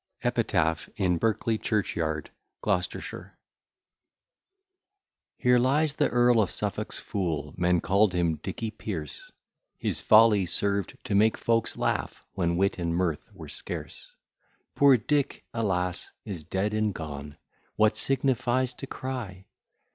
EPITAPH IN BERKELEY CHURCH YARD, GLOUCESTERSHIRE Here lies the Earl of Suffolk's fool, Men call'd him Dicky Pearce; His folly served to make folks laugh, When wit and mirth were scarce. Poor Dick, alas! is dead and gone, What signifies to cry?